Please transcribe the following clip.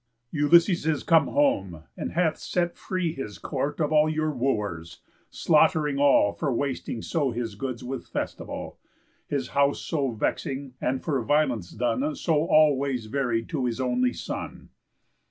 Ulysses is come home, and hath set free His court of all your Wooers, slaught'ring all For wasting so his goods with festival, His house so vexing, and for violence done So all ways varied to his only son."